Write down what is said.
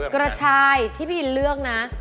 กระชายที่พี่อินเลือกนะ